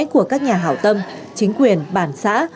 của các nhà hào tâm chính quyền bản xã